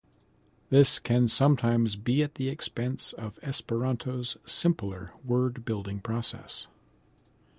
This can sometimes be at the expense of Esperanto's simpler word building process.